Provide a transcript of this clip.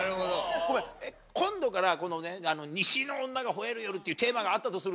ごめん今度から「西の女が吠える夜」っていうテーマがあったとするじゃん。